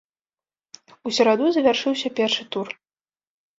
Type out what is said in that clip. У сераду завяршыўся першы тур.